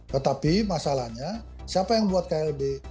tetapi masalahnya siapa yang buat klb